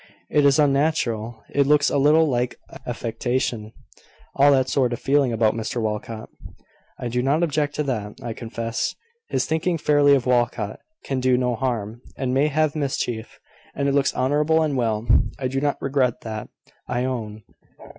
It is unnatural: it looks a little like affectation all that sort of feeling about Mr Walcot." "I do not object to that, I confess. His thinking fairly of Walcot can do no harm, and may save mischief, and it looks honourable and well. I do not regret that, I own.